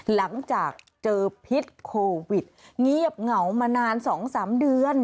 หลังจากเจอพิษโควิดเงียบเหงามานาน๒๓เดือน